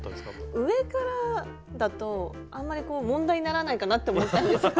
上からだとあんまり問題にならないかなって思ったんですよね。